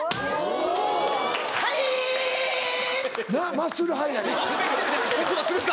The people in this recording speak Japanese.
マッスルハイやないか。